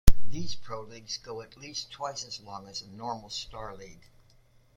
These pro leagues go at least twice as long as a normal Starleague.